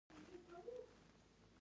وسله د ژوند سور لمر توروي